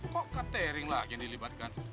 kok ke tearing lagi yang dilibatkan